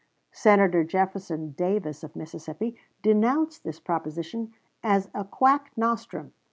Senator Jefferson Davis, of Mississippi, denounced this proposition as a quack nostrum.